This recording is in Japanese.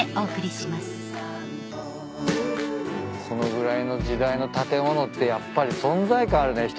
このぐらいの時代の建物ってやっぱり存在感あるね。